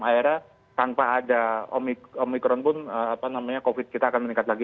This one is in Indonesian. akhirnya tanpa ada omikron pun covid kita akan meningkat lagi